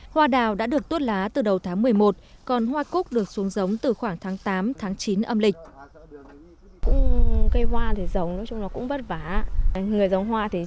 hoa đào đã được tuốt lá từ đầu tháng một mươi một còn hoa cúc được xuống giống từ khoảng tháng tám tháng chín âm lịch